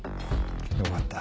よかった。